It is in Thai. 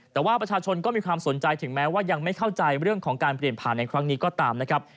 แต่ว่าประชาชนก็มีความสนใจถึงแม้ว่ายังไม่เข้าใจเรื่องของการเปลี่ยนผ่านในครั้งนี้ก็ตามนะครับ